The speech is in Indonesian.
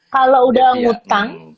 kalau udah ngutang